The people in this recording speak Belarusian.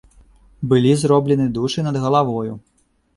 Былі зроблены душы над галавою.